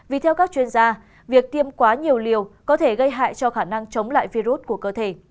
vì theo các chuyên gia việc tiêm quá nhiều liều có thể gây hại cho khả năng chống lại virus của cơ thể